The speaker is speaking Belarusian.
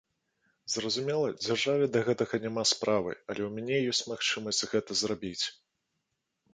Зразумела, дзяржаве да гэтага няма справы, але ў мяне ёсць магчымасць гэта зрабіць.